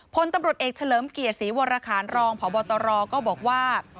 พลตำรวจเอกเฉลิมเกียรติศรีวรคารรองพบตรก็บอกว่า